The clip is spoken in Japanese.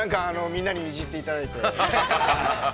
◆みんなにいじっていただいて。